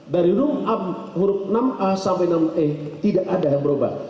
dari ruf a huruf enam a sampai enam e tidak ada yang berubah